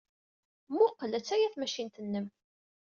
Mmuqqel, attaya tmacint-nnem.